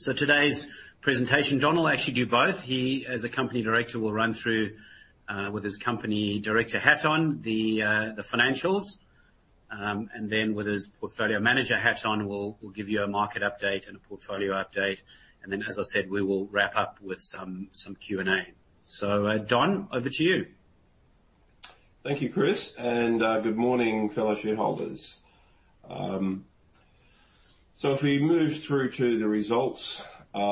Today's presentation, Don will actually do both. He, as a company director, will run through with his company director hat on the financials. Then with his portfolio manager hat on, we'll give you a market update and a portfolio update. Then, as I said, we will wrap up with some Q&A. Don, over to you. Thank you, Chris, and good morning, fellow shareholders. If we move through to the results, you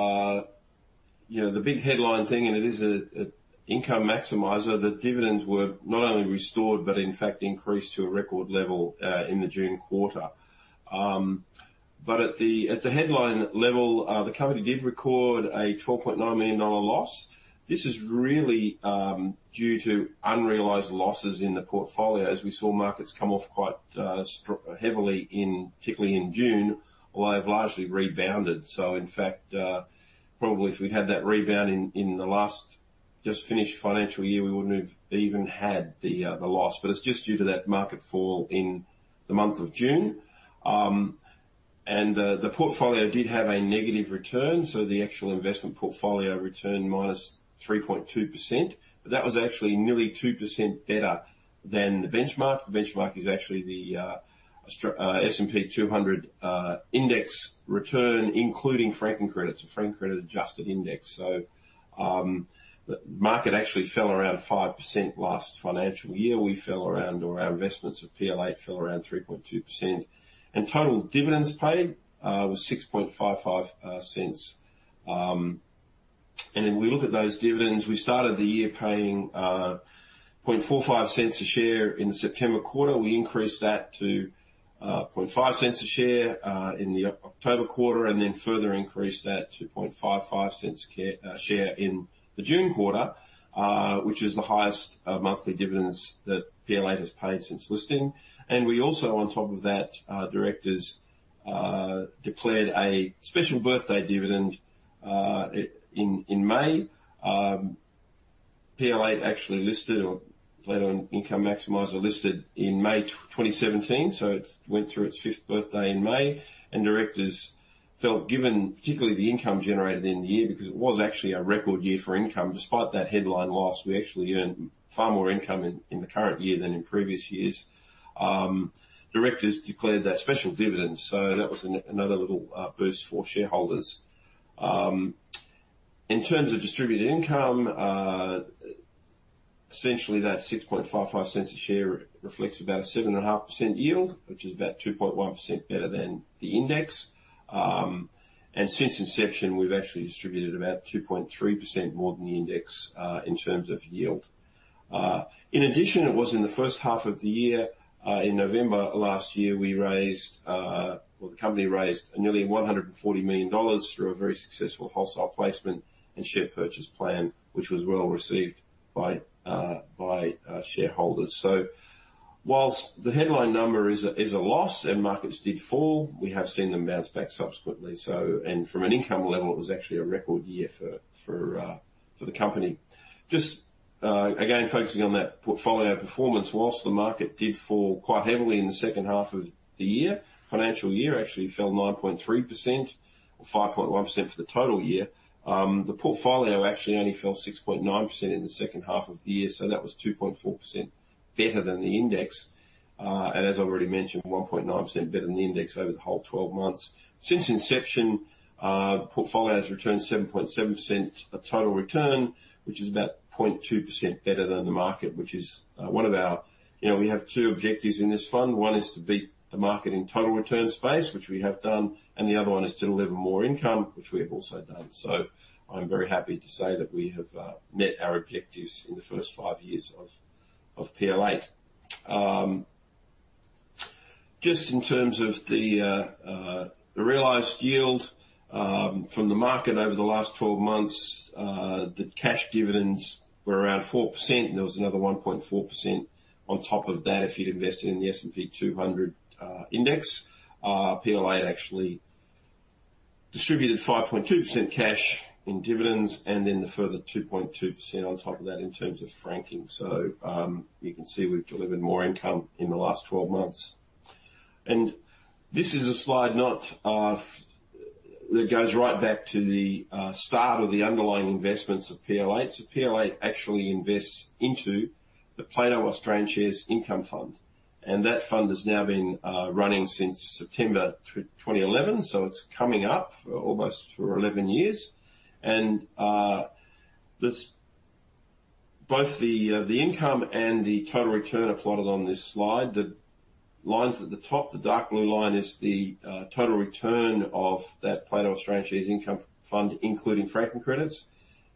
know, the big headline thing, and it is an Income Maximiser, that dividends were not only restored, but in fact increased to a record level in the June quarter. At the headline level, the company did record a 12.9 million dollar loss. This is really due to unrealized losses in the portfolio as we saw markets come off quite heavily, particularly in June, although they've largely rebounded. In fact, probably if we'd had that rebound in the last just finished financial year, we wouldn't have even had the loss. It's just due to that market fall in the month of June. The portfolio did have a negative return, so the actual investment portfolio returned -3.2%. That was actually nearly 2% better than the benchmark. The benchmark is actually the S&P/ASX 200 index return, including franking credits, a franking credit adjusted index. The market actually fell around 5% last financial year. Our investments of PL8 fell around 3.2%. Total dividends paid was 0.0655. If we look at those dividends, we started the year paying 0.0045 a share in the September quarter. We increased that to 0.005 a share in the October quarter, and then further increased that to 0.0055 a share in the June quarter, which is the highest monthly dividends that PL8 has paid since listing. We also, on top of that, directors declared a special birthday dividend in May. PL8 actually listed or Plato Income Maximiser listed in May 2017, so it went through its fifth birthday in May. Directors felt, given particularly the income generated in the year, because it was actually a record year for income, despite that headline loss, we actually earned far more income in the current year than in previous years. Directors declared that special dividend, so that was another little boost for shareholders. In terms of distributed income, essentially that 0.0655 a share reflects about a 7.5% yield, which is about 2.1% better than the index. Since inception, we've actually distributed about 2.3% more than the index in terms of yield. In addition, it was in the first half of the year, in November last year, we raised, or the company raised nearly 140 million dollars through a very successful wholesale placement and share purchase plan, which was well received by shareholders. While the headline number is a loss and markets did fall, we have seen them bounce back subsequently. From an income level, it was actually a record year for the company. Just, again, focusing on that portfolio performance, while the market did fall quite heavily in the second half of the year, financial year actually fell 9.3% or 5.1% for the total year, the portfolio actually only fell 6.9% in the second half of the year, so that was 2.4% better than the index. As I've already mentioned, 1.9% better than the index over the whole twelve months. Since inception, the portfolio has returned 7.7% of total return, which is about 0.2% better than the market, which is one of our. You know, we have two objectives in this fund. One is to beat the market in total return space, which we have done, and the other one is to deliver more income, which we have also done. I'm very happy to say that we have met our objectives in the first five years of PL8. Just in terms of the realized yield from the market over the last 12 months, the cash dividends were around 4%, and there was another 1.4% on top of that if you'd invested in the S&P/ASX 200 index. PL8 actually distributed 5.2% cash in dividends and then the further 2.2% on top of that in terms of franking. You can see we've delivered more income in the last 12 months. This is a slide not of... That goes right back to the start of the underlying investments of PL8. PL8 actually invests into the Plato Australian Shares Income Fund, and that fund has now been running since September 2011, so it's coming up almost for 11 years. Both the income and the total return are plotted on this slide. The lines at the top, the dark blue line is the total return of that Plato Australian Shares Income Fund, including franking credits,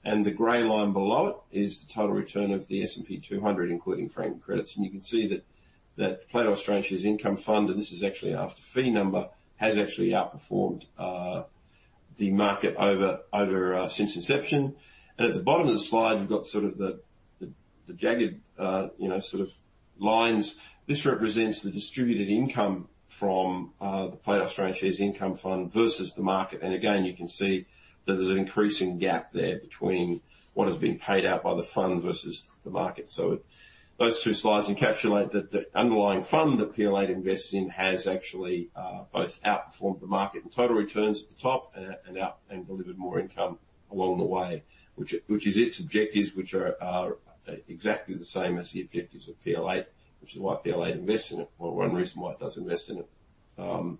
and the gray line below it is the total return of the S&P/ASX 200, including franking credits. You can see that Plato Australian Shares Income Fund, and this is actually after fees, has actually outperformed the market over since inception. At the bottom of the slide, we've got sort of the jagged, you know, sort of lines. This represents the distributed income from the Plato Australian Shares Income Fund versus the market. Again, you can see. There's an increasing gap there between what is being paid out by the fund versus the market. Those two slides encapsulate that the underlying fund that PL8 invests in has actually both outperformed the market in total returns at the top and delivered more income along the way, which is its objectives, which are exactly the same as the objectives of PL8, which is why PL8 invests in it, or one reason why it does invest in it.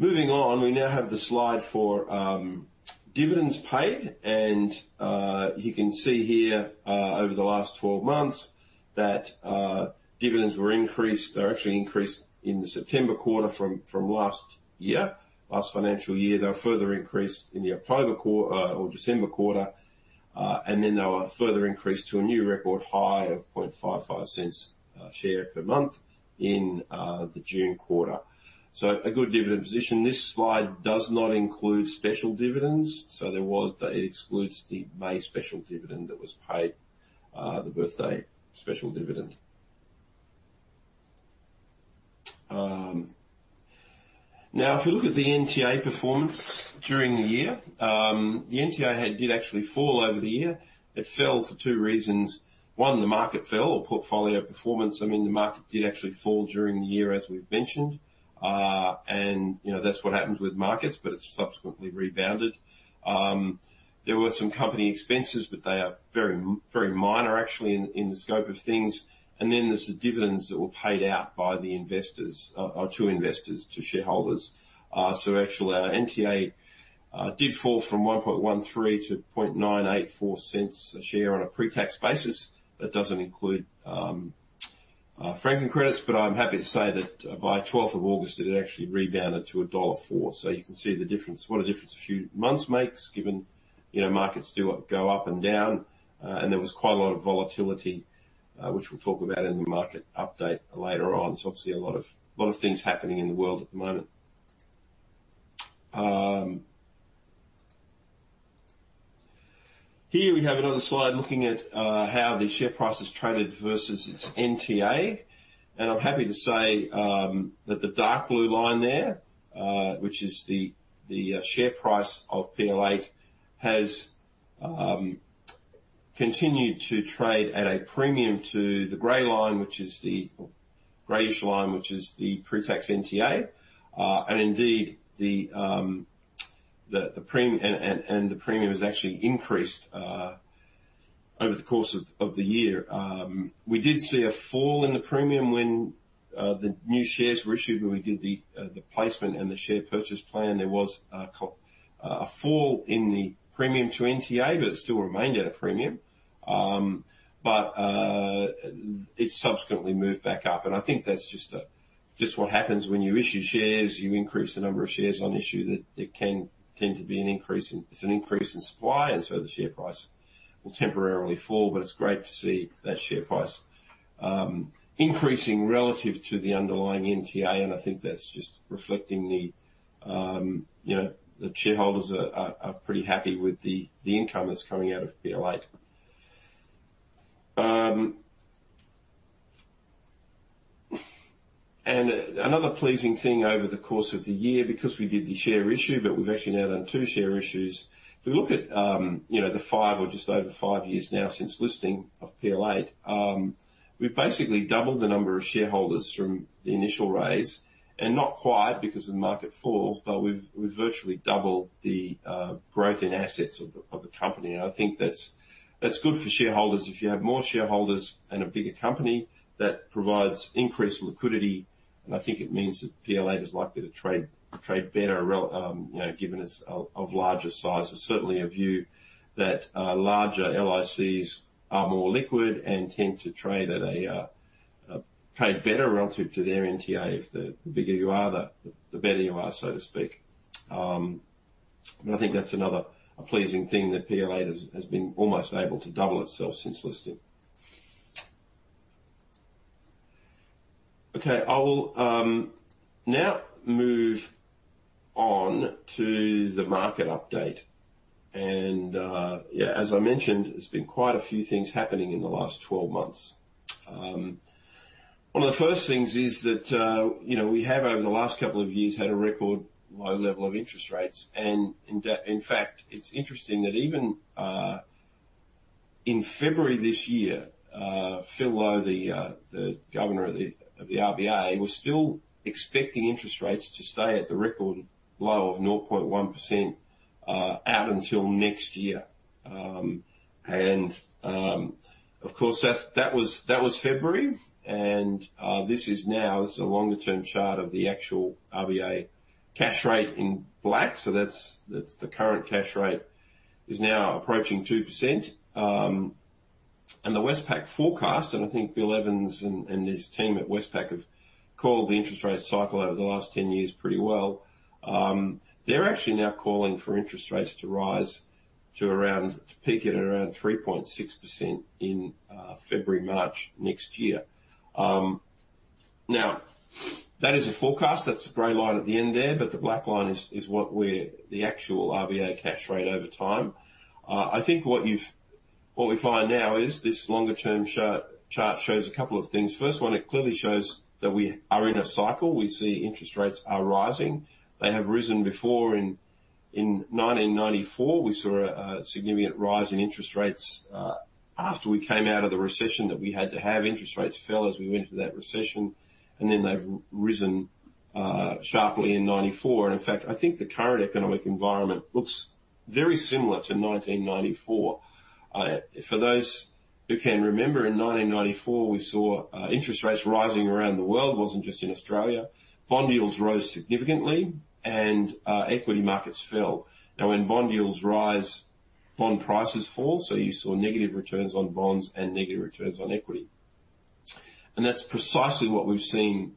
Moving on, we now have the slide for dividends paid and you can see here over the last 12 months that dividends were increased. They were actually increased in the September quarter from last year, last financial year. They were further increased in the December quarter, and then they were further increased to a new record high of 0.055 per share per month in the June quarter. A good dividend position. This slide does not include special dividends. It excludes the May special dividend that was paid, the birthday special dividend. If you look at the NTA performance during the year, the NTA did actually fall over the year. It fell for two reasons. One, the market fell or portfolio performance. I mean, the market did actually fall during the year, as we've mentioned, and you know, that's what happens with markets, but it's subsequently rebounded. There were some company expenses, but they are very minor actually in the scope of things. There's the dividends that were paid out by the investors, or to investors, to shareholders. Actually our NTA did fall from 1.13 to 0.984 a share on a pre-tax basis. That doesn't include franking credits, but I'm happy to say that by twelfth of August, it had actually rebounded to dollar 1.04. You can see the difference. What a difference a few months makes, given you know, markets do go up and down. There was quite a lot of volatility, which we'll talk about in the market update later on. There's obviously a lot of things happening in the world at the moment. Here we have another slide looking at how the share price has traded versus its NTA. I'm happy to say that the dark blue line there, which is the share price of PL8, has continued to trade at a premium to the gray line, which is the grayish line, which is the pre-tax NTA. Indeed the premium has actually increased over the course of the year. We did see a fall in the premium when the new shares were issued, when we did the placement and the share purchase plan. There was a fall in the premium to NTA, but it still remained at a premium. It subsequently moved back up, and I think that's just what happens when you issue shares. You increase the number of shares on issue that there can tend to be an increase in. It's an increase in supply, so the share price will temporarily fall. It's great to see that share price increasing relative to the underlying NTA, and I think that's just reflecting the you know, the shareholders are pretty happy with the income that's coming out of PL8. Another pleasing thing over the course of the year, because we did the share issue, but we've actually now done two share issues. If we look at, you know, the five or just over five years now since listing of PL8, we've basically doubled the number of shareholders from the initial raise, and not quite because of the market falls, but we've virtually doubled the growth in assets of the company. I think that's good for shareholders. If you have more shareholders and a bigger company, that provides increased liquidity, and I think it means that PL8 is likely to trade better, you know, given it's of larger size. It's certainly a view that larger LICs are more liquid and tend to trade better relative to their NTA. If the bigger you are, the better you are, so to speak. I think that's another pleasing thing, that PL8 has been almost able to double itself since listing. Okay, I will now move on to the market update. As I mentioned, there's been quite a few things happening in the last 12 months. One of the first things is that you know, we have over the last couple of years had a record low level of interest rates. In fact, it's interesting that even in February this year, Philip Lowe, the governor of the RBA, was still expecting interest rates to stay at the record low of 0.1% out until next year. Of course, that was February and this is now. This is a longer term chart of the actual RBA cash rate in black. That's the current cash rate is now approaching 2%. The Westpac forecast, I think Bill Evans and his team at Westpac have called the interest rate cycle over the last 10 years pretty well. They're actually now calling for interest rates to rise to around, to peak at around 3.6% in February, March next year. That is a forecast. That's the gray line at the end there, but the black line is the actual RBA cash rate over time. I think what we find now is this longer-term chart shows a couple of things. First, it clearly shows that we are in a cycle. We see interest rates are rising. They have risen before in 1994, we saw a significant rise in interest rates after we came out of the recession that we had to have. Interest rates fell as we went through that recession, and then they've risen sharply in 1994. In fact, I think the current economic environment looks very similar to 1994. For those who can remember, in 1994, we saw interest rates rising around the world. It wasn't just in Australia. Bond yields rose significantly, and equity markets fell. Now, when bond yields rise, bond prices fall. You saw negative returns on bonds and negative returns on equity. That's precisely what we've seen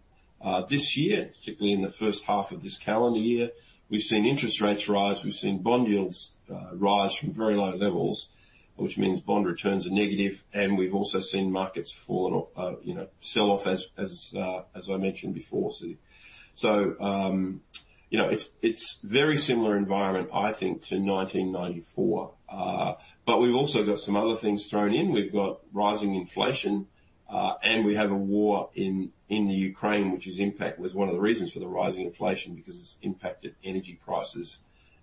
this year, particularly in the first half of this calendar year. We've seen interest rates rise, we've seen bond yields rise from very low levels, which means bond returns are negative, and we've also seen markets fall, you know, sell off as I mentioned before. You know, it's very similar environment, I think, to 1994. We've also got some other things thrown in. We've got rising inflation, and we have a war in the Ukraine, which was one of the reasons for the rising inflation because it's impacted energy prices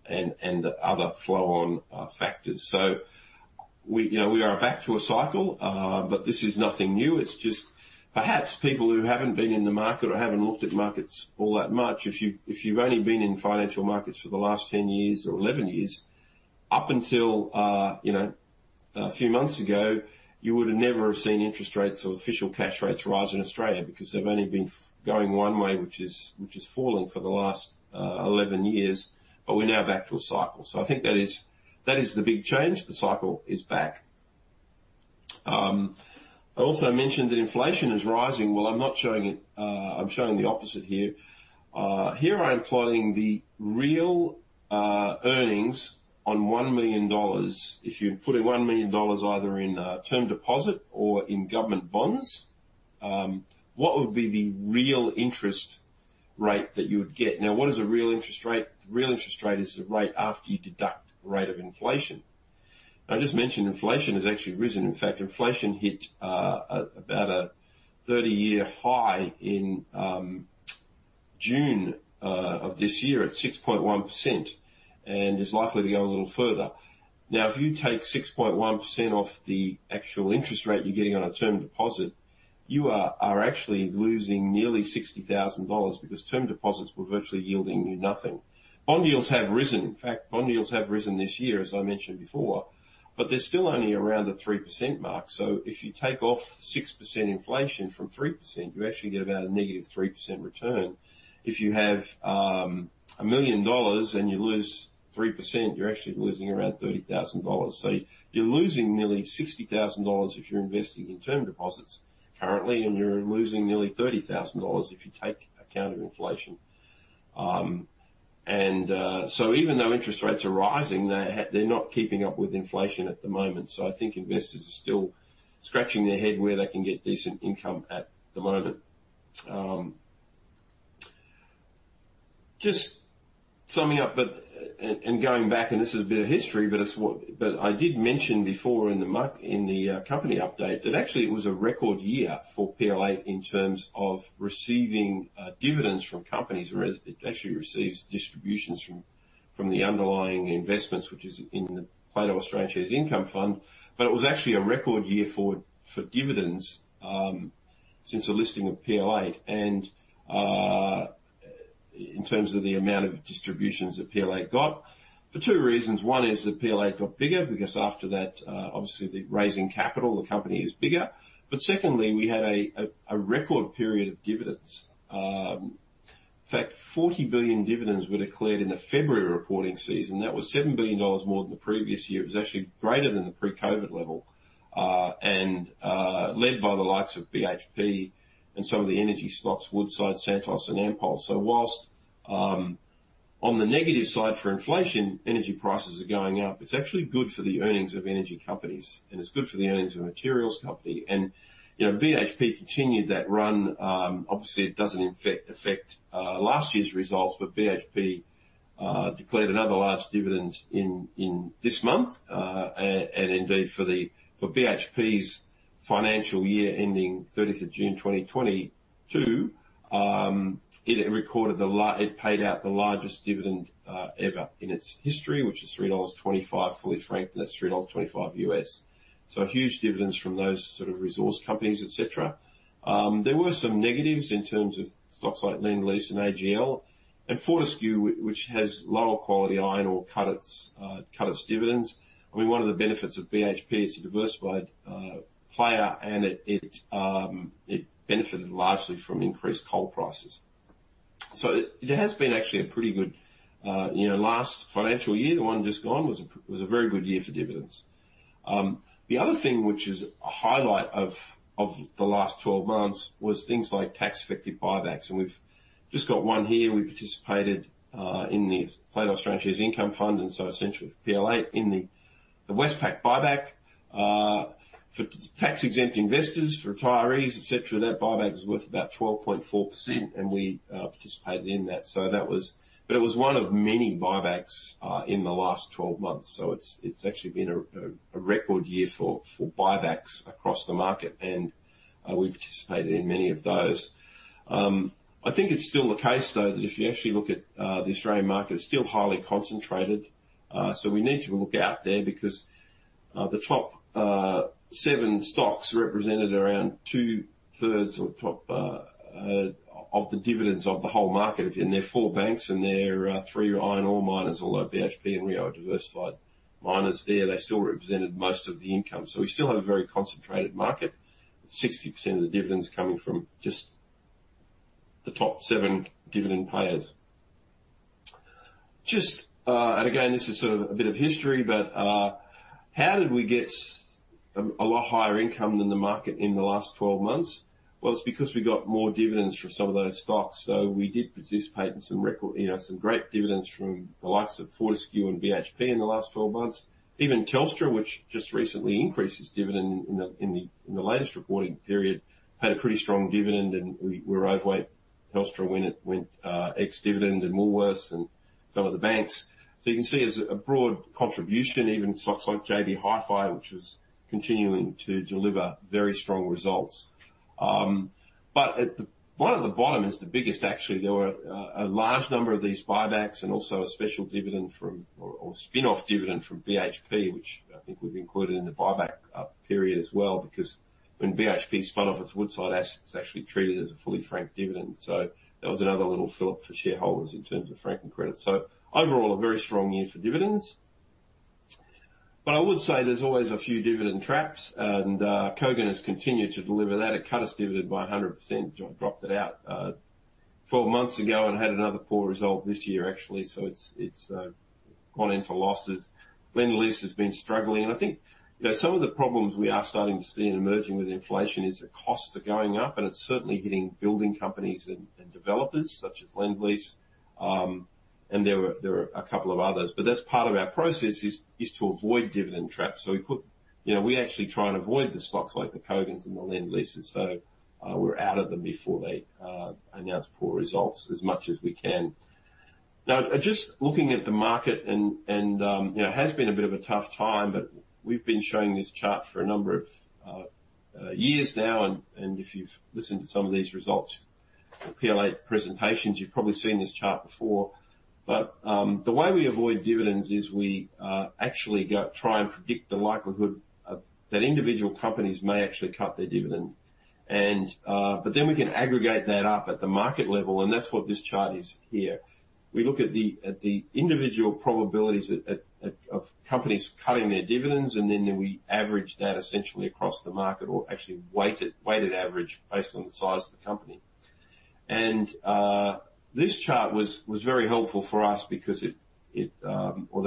and other flow-on factors. You know, we are back to a cycle, but this is nothing new. It's just perhaps people who haven't been in the market or haven't looked at markets all that much, if you've only been in financial markets for the last 10 years or 11 years, up until a few months ago, you would have never have seen interest rates or official cash rates rise in Australia because they've only been going one way, which is falling for the last 11 years. We're now back to a cycle. I think that is the big change. The cycle is back. I also mentioned that inflation is rising. Well, I'm not showing it. Here I'm plotting the real earnings on 1 million dollars. If you put in 1 million dollars either in a term deposit or in government bonds, what would be the real interest rate that you would get? Now, what is a real interest rate? The real interest rate is the rate after you deduct the rate of inflation. I just mentioned inflation has actually risen. In fact, inflation hit about a 30-year high in June of this year at 6.1% and is likely to go a little further. Now, if you take 6.1% off the actual interest rate you're getting on a term deposit, you are actually losing nearly 60,000 dollars because term deposits were virtually yielding you nothing. Bond yields have risen. In fact, bond yields have risen this year, as I mentioned before, but they're still only around the 3% mark. If you take off 6% inflation from 3%, you actually get about a -3% return. If you have a million dollars and you lose 3%, you're actually losing around 30,000 dollars. You're losing nearly 60,000 dollars if you're investing in term deposits currently, and you're losing nearly 30,000 dollars if you take account of inflation. Even though interest rates are rising, they're not keeping up with inflation at the moment. I think investors are still scratching their head where they can get decent income at the moment. Just summing up. Going back, this is a bit of history, but it's what I did mention before in the company update that actually it was a record year for PLA in terms of receiving dividends from companies, or it actually receives distributions from the underlying investments, which is in the Plato Australian Shares Income Fund. It was actually a record year for dividends since the listing of PLA and in terms of the amount of distributions that PLA got for two reasons. One is that PLA got bigger because after that obviously the raising capital, the company is bigger. Secondly, we had a record period of dividends. In fact, 40 billion dividends were declared in the February reporting season. That was 7 billion dollars more than the previous year. It was actually greater than the pre-COVID level, and led by the likes of BHP and some of the energy stocks, Woodside, Santos and Ampol. Whilst on the negative side for inflation, energy prices are going up, it's actually good for the earnings of energy companies and it's good for the earnings of materials company. You know, BHP continued that run. Obviously it doesn't affect last year's results, but BHP declared another large dividend in this month. And indeed for BHP's financial year ending thirtieth of June 2022, it paid out the largest dividend ever in its history, which is $3.25 fully franked, and that's $3.25 US. Huge dividends from those sort of resource companies, et cetera. There were some negatives in terms of stocks like Lendlease and AGL and Fortescue, which has lower quality iron ore, cut its dividends. I mean, one of the benefits of BHP is a diversified player and it benefited largely from increased coal prices. It has been actually a pretty good, you know, last financial year, the one just gone was a very good year for dividends. The other thing which is a highlight of the last 12 months was things like tax effective buybacks, and we've just got one here. We participated in the Plato Australian Shares Income Fund, and so essentially with PL8 in the Westpac buyback. For tax exempt investors, for retirees, et cetera, that buyback was worth about 12.4% and we participated in that. It was one of many buybacks in the last 12 months. It's actually been a record year for buybacks across the market, and we've participated in many of those. I think it's still the case though that if you actually look at the Australian market, it's still highly concentrated. We need to look out there because the top 7 stocks represented around two-thirds of the dividends of the whole market. There are 4 banks, and there are 3 iron ore miners, although BHP and Rio are diversified miners there, they still represented most of the income. We still have a very concentrated market, with 60% of the dividends coming from just the top 7 dividend players. Just again, this is sort of a bit of history, but how did we get a lot higher income than the market in the last 12 months? Well, it's because we got more dividends from some of those stocks. We did participate in some record, you know, some great dividends from the likes of Fortescue and BHP in the last 12 months. Even Telstra, which just recently increased its dividend in the latest reporting period, had a pretty strong dividend, and we're overweight Telstra when it went ex-dividend and Woolworths and some of the banks. You can see there's a broad contribution, even stocks like JB Hi-Fi, which is continuing to deliver very strong results. The one at the bottom is the biggest, actually. There were a large number of these buybacks and also a special dividend or spin-off dividend from BHP, which I think we've included in the buyback period as well, because when BHP spun off its Woodside assets, it's actually treated as a fully franked dividend. That was another little fill up for shareholders in terms of franking credits. Overall, a very strong year for dividends. I would say there's always a few dividend traps, and Kogan has continued to deliver that. It cut its dividend by 100%, dropped it out 12 months ago and had another poor result this year, actually. It's gone in for losses. Lendlease has been struggling. I think, you know, some of the problems we are starting to see and emerging with inflation is the costs are going up, and it's certainly hitting building companies and developers such as Lendlease. There were a couple of others. That's part of our process to avoid dividend traps. You know, we actually try and avoid the stocks like Kogan.com and Lendlease, so we're out of them before they announce poor results as much as we can. Now, just looking at the market and, you know, it has been a bit of a tough time, but we've been showing this chart for a number of years now, and if you've listened to some of these results or Plato presentations, you've probably seen this chart before. The way we avoid dividends is we actually go try and predict the likelihood that individual companies may actually cut their dividend. Then we can aggregate that up at the market level, and that's what this chart is here. We look at the individual probabilities of companies cutting their dividends, and then we average that essentially across the market or actually weighted average based on the size of the company. This chart was very helpful for us because, you know,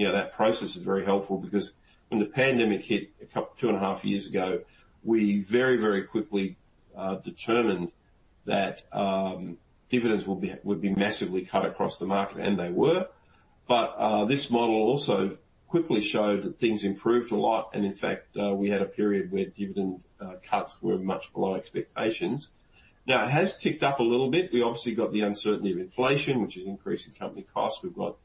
that process is very helpful because when the pandemic hit COVID 2.5 years ago, we very quickly determined that dividends would be massively cut across the market, and they were. This model also quickly showed that things improved a lot, and in fact, we had a period where dividend cuts were much below expectations. Now, it has ticked up a little bit. We obviously got the uncertainty of inflation, which is increasing company costs. We've got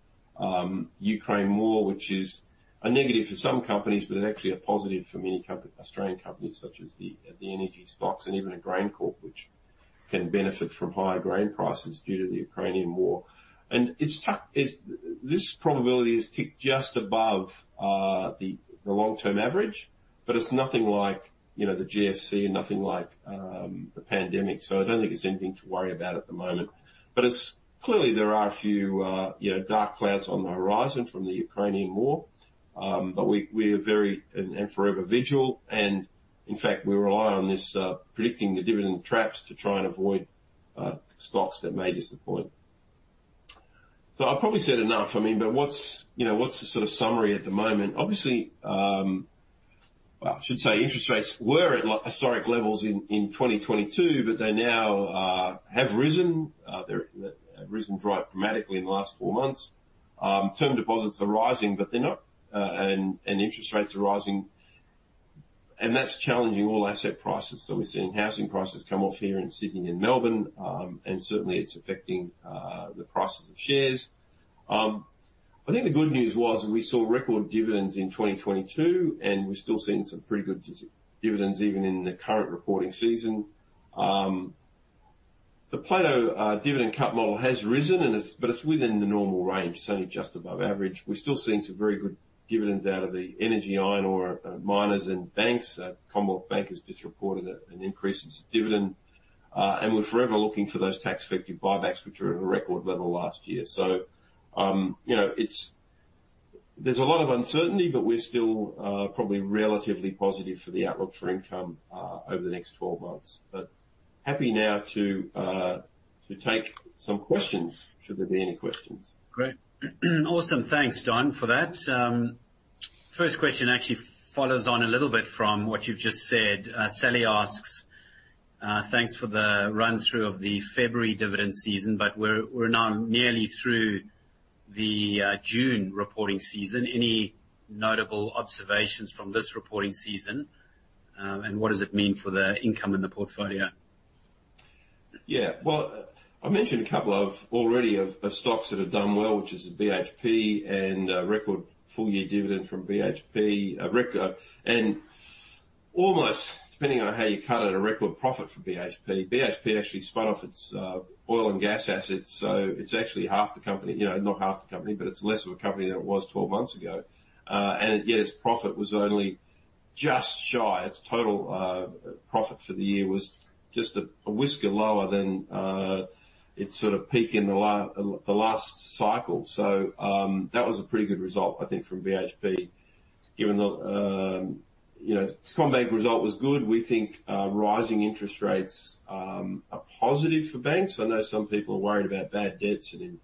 Ukraine war, which is a negative for some companies, but actually a positive for many Australian companies such as the energy stocks and even a GrainCorp, which can benefit from higher grain prices due to the Ukrainian war. This probability is ticked just above the long-term average, but it's nothing like, you know, the GFC and nothing like the pandemic. I don't think it's anything to worry about at the moment. It's clearly there are a few, you know, dark clouds on the horizon from the Ukrainian war. We are very and forever vigilant. In fact, we rely on this predicting the dividend traps to try and avoid stocks that may disappoint. I've probably said enough. I mean, you know, what's the sort of summary at the moment? Obviously, well, I should say interest rates were at, like, historic levels in 2022, but they now have risen. They have risen dramatically in the last four months. Term deposits are rising, but they're not and interest rates are rising, and that's challenging all asset prices. We've seen housing prices come off here in Sydney and Melbourne, and certainly it's affecting the prices of shares. I think the good news was we saw record dividends in 2022, and we're still seeing some pretty good dividends even in the current reporting season. The Plato dividend cut model has risen, but it's within the normal range. It's only just above average. We're still seeing some very good dividends out of the energy iron ore miners and banks. Commonwealth Bank has just reported an increase in its dividend. We're forever looking for those tax-effective buybacks, which were at a record level last year. You know, there's a lot of uncertainty, but we're still probably relatively positive for the outlook for income over the next 12 months. Happy now to take some questions, should there be any questions. Great. Awesome. Thanks, Don, for that. First question actually follows on a little bit from what you've just said. Sally asks, "Thanks for the run-through of the February dividend season, but we're now nearly through the June reporting season. Any notable observations from this reporting season? And what does it mean for the income in the portfolio? Yeah. Well, I mentioned a couple of stocks already that have done well, which is BHP and a record full-year dividend from BHP. And almost depending on how you cut it, a record profit for BHP. BHP actually spun off its oil and gas assets, so it's actually half the company. You know, not half the company, but it's less of a company than it was twelve months ago. And yet its profit was only just shy. Its total profit for the year was just a whisker lower than its sort of peak in the last cycle. That was a pretty good result, I think, from BHP. Given the, you know, CommBank result was good. We think rising interest rates are positive for banks. I know some people are worried about bad debts and in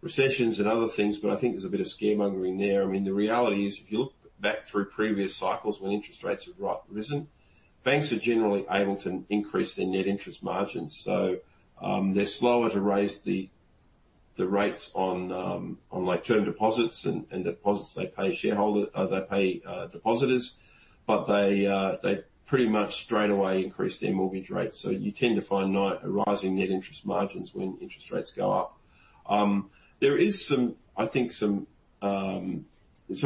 recessions and other things, but I think there's a bit of scaremongering there. I mean, the reality is, if you look back through previous cycles when interest rates have risen, banks are generally able to increase their net interest margins. They're slower to raise the rates on like term deposits and deposits they pay depositors. But they pretty much straight away increase their mortgage rates. You tend to find a rising net interest margins when interest rates go up. There is some, I think, some. I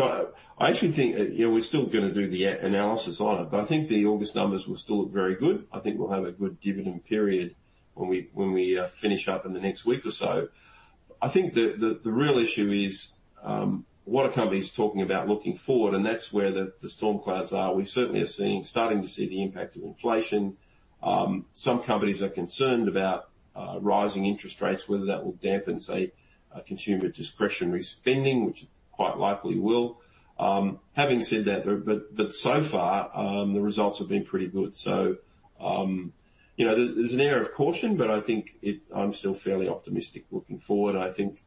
actually think, you know, we're still gonna do the analysis on it, but I think the August numbers will still look very good. I think we'll have a good dividend period when we finish up in the next week or so. I think the real issue is what are companies talking about looking forward? That's where the storm clouds are. We certainly are starting to see the impact of inflation. Some companies are concerned about rising interest rates, whether that will dampen, say, consumer discretionary spending, which it quite likely will. Having said that, though, but so far the results have been pretty good. You know, there's an air of caution, but I think I'm still fairly optimistic looking forward. I think,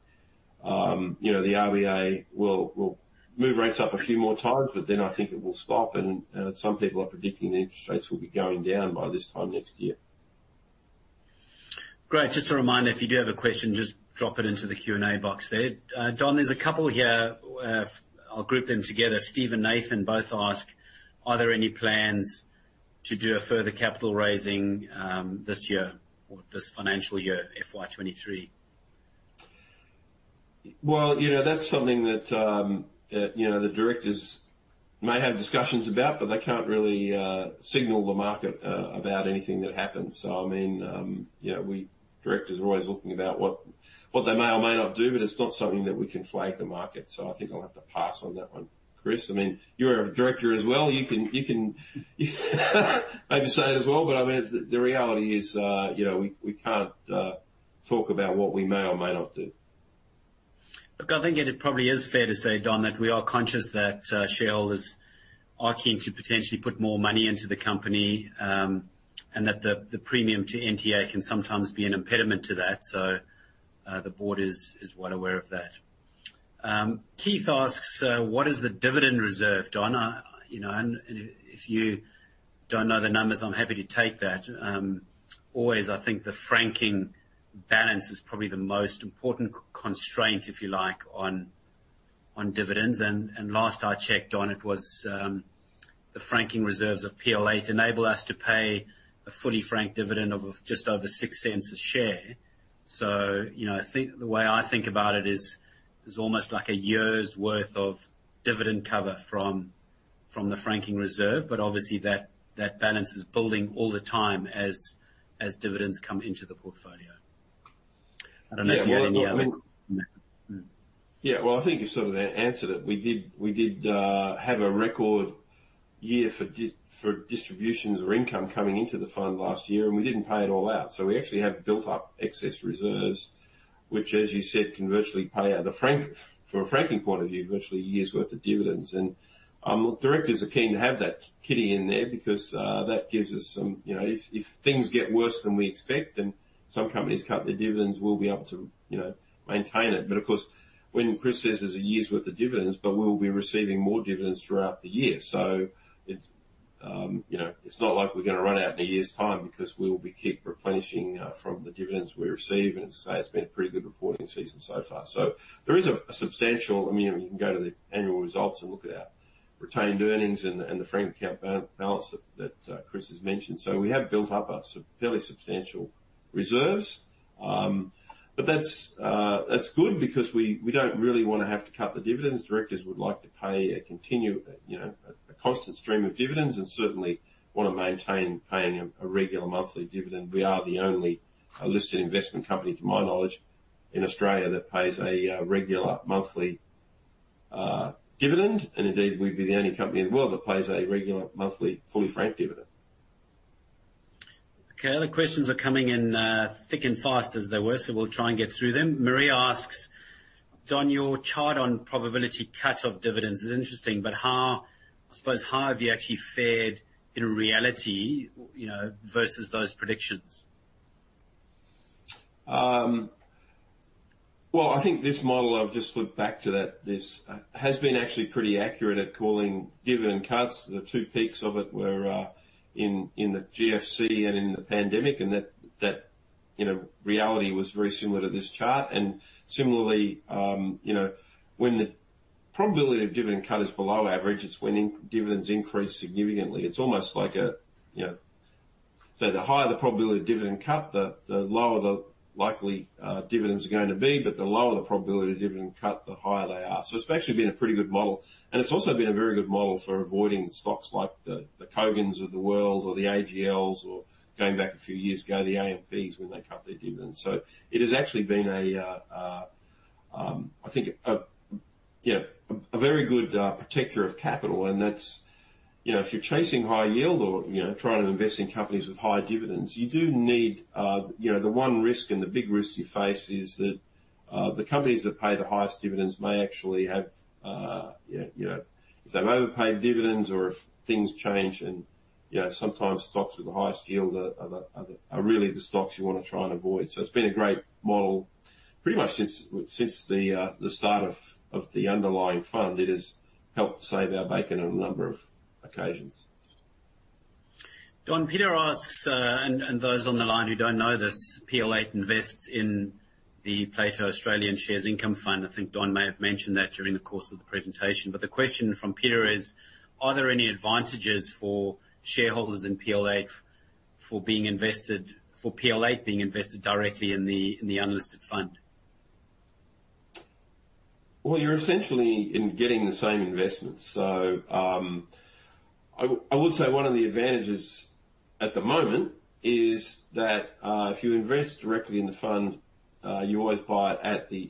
you know, the RBA will move rates up a few more times, but then I think it will stop and some people are predicting the interest rates will be going down by this time next year. Great. Just a reminder, if you do have a question, just drop it into the Q&A box there. Don, there's a couple here. I'll group them together. Steve and Nathan both ask, "Are there any plans to do a further capital raising, this year or this financial year, FY 2023? Well, you know, that's something that, you know, the directors may have discussions about, but they can't really signal to the market about anything that happens. I mean, you know, directors are always looking about what they may or may not do, but it's not something that we can flag to the market. I think I'll have to pass on that one. Chris, I mean, you're a director as well. You can maybe say it as well, but I mean, the reality is, you know, we can't talk about what we may or may not do. Look, I think it probably is fair to say, Don, that we are conscious that shareholders are keen to potentially put more money into the company, and that the premium to NTA can sometimes be an impediment to that. The board is well aware of that. Keith asks, "What is the dividend reserve?" Don, you know, and if you don't know the numbers, I'm happy to take that. Always, I think the franking balance is probably the most important constraint, if you like, on dividends. Last I checked, Don, it was the franking reserves of PL8 enable us to pay a fully franked dividend of just over 0.06 a share. You know, I think. The way I think about it is almost like a year's worth of dividend cover from the franking reserve. Obviously that balance is building all the time as dividends come into the portfolio. I don't know if you had any other comments on that. Yeah. Well, I think you sort of answered it. We did have a record year for distributions or income coming into the fund last year, and we didn't pay it all out. We actually have built up excess reserves, which as you said, can virtually pay out a franking. From a franking point of view, virtually a year's worth of dividends. Directors are keen to have that kitty in there because that gives us some, you know, if things get worse than we expect and some companies cut their dividends, we'll be able to, you know, maintain it. Of course, when Chris says there's a year's worth of dividends, but we'll be receiving more dividends throughout the year. It's not like we're gonna run out in a year's time because we'll keep replenishing from the dividends we receive. You know, it's been a pretty good reporting season so far. There is a substantial, I mean, you can go to the annual results and look at our retained earnings and the franking account balance that Chris has mentioned. We have built up fairly substantial reserves. That's good because we don't really wanna have to cut the dividends. Directors would like to pay a continuing, you know, a constant stream of dividends and certainly wanna maintain paying a regular monthly dividend. We are the only listed investment company, to my knowledge, in Australia that pays a regular monthly dividend. Indeed, we'd be the only company in the world that pays a regular monthly fully franked dividend. Okay. The questions are coming in, thick and fast as they were, so we'll try and get through them. Maria asks, "Don, your chart on probability cut of dividends is interesting, but I suppose, how have you actually fared in reality, you know, versus those predictions? Well, I think this model, I've just flipped back to that, this, has been actually pretty accurate at calling dividend cuts. The two peaks of it were in the GFC and in the pandemic, and that you know, reality was very similar to this chart. Similarly, you know, when the probability of dividend cut is below average. It's when dividends increase significantly. It's almost like a you know. So the higher the probability of dividend cut, the lower the likely dividends are going to be, but the lower the probability of dividend cut, the higher they are. So it's actually been a pretty good model, and it's also been a very good model for avoiding stocks like the Kogan.com of the world or the AGLs, or going back a few years ago, the AMPs when they cut their dividends. It has actually been, I think, you know, a very good protector of capital, and that's, you know, if you're chasing high yield or, you know, trying to invest in companies with high dividends, you do need, you know, the one risk and the big risks you face is that, the companies that pay the highest dividends may actually have, you know, if they've overpaid dividends or if things change and, you know, sometimes stocks with the highest yield are really the stocks you wanna try and avoid. It's been a great model pretty much since the start of the underlying fund. It has helped save our bacon on a number of occasions. Don, Peter asks, and those on the line who don't know this, PL8 invests in the Plato Australian Shares Income Fund. I think Don may have mentioned that during the course of the presentation. The question from Peter is: Are there any advantages for shareholders in PL8 for PL8 being invested directly in the unlisted fund? Well, you're essentially getting the same investment. I would say one of the advantages at the moment is that, if you invest directly in the fund, you always buy it at the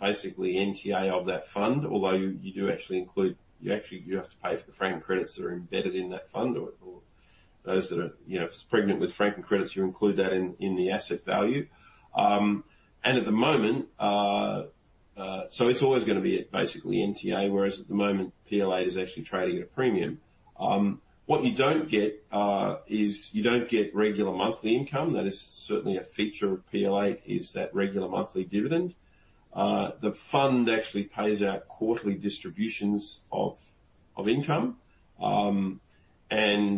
basically NTA of that fund. Although you do actually include. You actually have to pay for the franking credits that are embedded in that fund or those that are, you know, if it's pregnant with franking credits, you include that in the asset value. At the moment, it's always gonna be at basically NTA, whereas at the moment, PL8 is actually trading at a premium. What you don't get is you don't get regular monthly income. That is certainly a feature of PL8, is that regular monthly dividend. The fund actually pays out quarterly distributions of income, and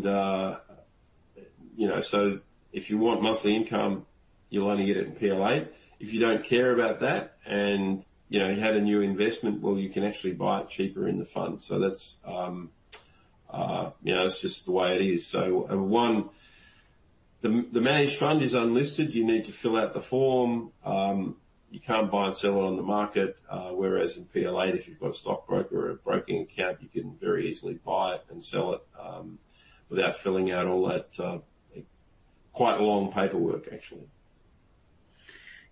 you know, so if you want monthly income, you'll only get it in PL8. If you don't care about that and you know you have a new investment, well, you can actually buy it cheaper in the fund. That's, you know, it's just the way it is. The managed fund is unlisted. You need to fill out the form. You can't buy and sell it on the market, whereas in PL8, if you've got a stockbroker or a broking account, you can very easily buy it and sell it without filling out all that quite long paperwork, actually.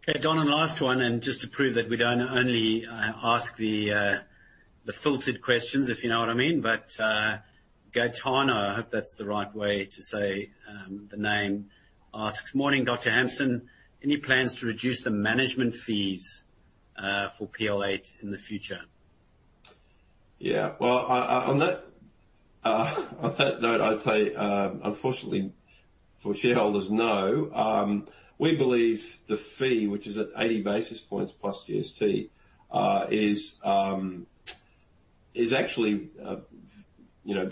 Okay, Don, last one, just to prove that we don't only ask the filtered questions, if you know what I mean, Gaetano, I hope that's the right way to say the name, asks, "Morning, Dr. Hamson. Any plans to reduce the management fees for PL8 in the future? Yeah. Well, on that note, I'd say, unfortunately for shareholders, no. We believe the fee, which is at 80 basis points plus GST, is actually, you know,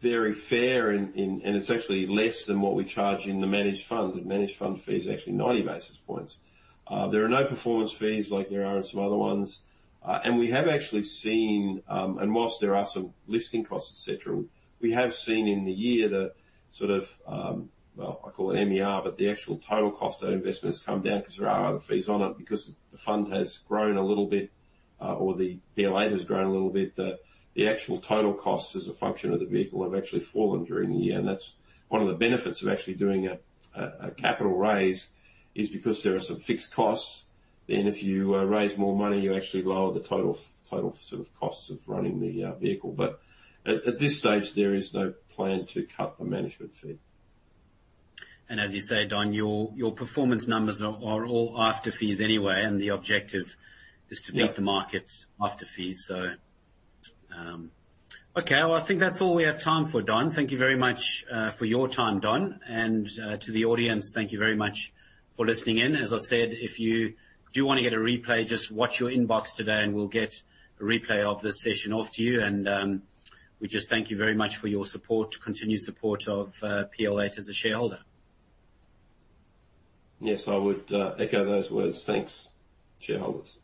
very fair and it's actually less than what we charge in the managed fund. The managed fund fee is actually 90 basis points. There are no performance fees like there are in some other ones. And we have actually seen, and whilst there are some listing costs, et cetera, we have seen in the year the sort of, well, I call it MER, but the actual total cost of that investment has come down because there are other fees on it because the fund has grown a little bit, or the PL8 has grown a little bit. The actual total costs as a function of the vehicle have actually fallen during the year, and that's one of the benefits of actually doing a capital raise, is because there are some fixed costs. If you raise more money, you actually lower the total sort of costs of running the vehicle. At this stage, there is no plan to cut the management fee. As you say, Dr. Hamson, your performance numbers are all after fees anyway, and the objective is to beat Yeah. the markets after fees, so, okay. Well, I think that's all we have time for, Don. Thank you very much for your time, Don. To the audience, thank you very much for listening in. As I said, if you do wanna get a replay, just watch your inbox today, and we'll get a replay of this session off to you. We just thank you very much for your support, continued support of PL8 as a shareholder. Yes, I would echo those words. Thanks, shareholders.